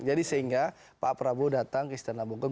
jadi sehingga pak prabowo datang ke istana bogor